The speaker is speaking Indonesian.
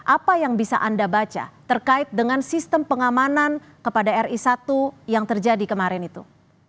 apa yang bisa anda baca terkait dengan sistem pengamanan kepada ri satu yang terjadi kemarin itu